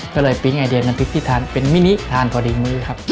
ก็เลยปิ๊งไอเดียน้ำพริกที่ทานเป็นมินิทานพอดีมื้อครับ